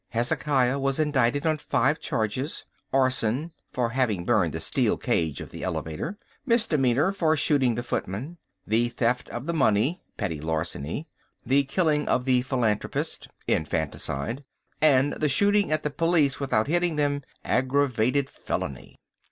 Hezekiah was indicted on five charges—arson, for having burned the steel cage of the elevator; misdemeanour, for shooting the footman; the theft of the money, petty larceny; the killing of the philanthropist, infanticide; and the shooting at the police without hitting them, aggravated felony.